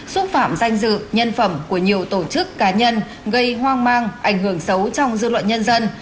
xúc phạm danh dự nhân phẩm của nhiều tổ chức cá nhân gây hoang mang ảnh hưởng xấu trong dư luận nhân dân